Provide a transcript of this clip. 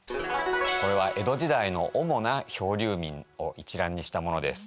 これは江戸時代の主な漂流民を一覧にしたものです。